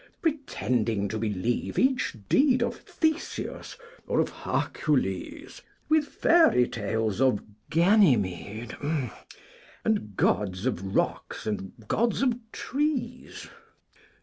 Pretending to believe each deed Of Theseus or of Hercules, With fairy tales of Ganymede, And gods of rocks and gods of trees!